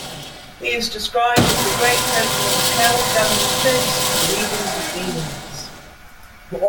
He is described as the Great President of Hell governing thirty-six legions of demons.